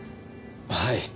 はい。